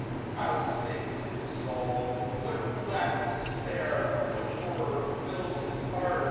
How sinks his soul ! What black despair, what horror fills his heart